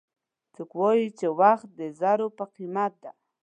څوک وایي چې وخت د زرو په قیمت ده